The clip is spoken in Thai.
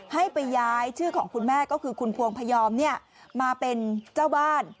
ให้ไปย้ายชื่อของคุณแม่ก็คือคุณพวงพยอมมาเป็นเจ้าบ้าน